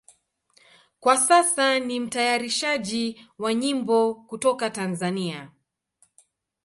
Kwa sasa ni mtayarishaji wa nyimbo kutoka Tanzania.